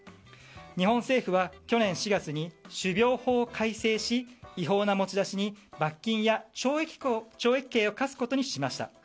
日本政府は去年４月に種苗法を改正し違法な持ち出しに罰金や懲役刑を科すことにしました。